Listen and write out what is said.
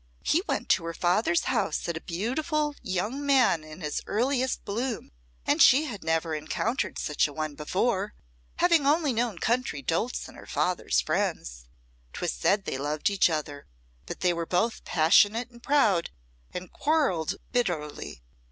"He went to her father's house a beautiful young man in his earliest bloom, and she had never encountered such an one before, having only known country dolts and her father's friends. 'Twas said they loved each other, but were both passionate and proud, and quarrelled bitterly.